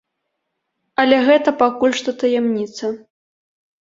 Але гэта пакуль што таямніца.